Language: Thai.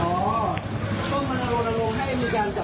เป็นจริงว่าภารกิจกรรมหลักเนี่ยก็เป่าวิรากันเอาไว้ท่านมาอย่างนั้นกัน